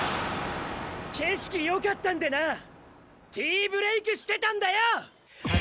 景色よかったんでなティーブレイクしてたんだよ！